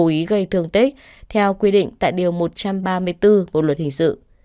cố ý gây thương tích theo quy định tại điều một trăm ba mươi bốn bộ luật hình sự